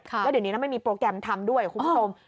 แล้วเดี๋ยวนี้ไม่มีโปรแกรมทำด้วยคุณผู้ชม